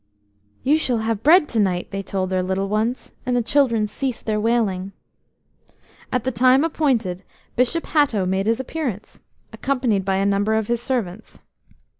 "You shall have bread to night," they told their little ones, and the children ceased their wailing. At the appointed time Bishop Hatto made his appearance, accompanied by a number of his servants.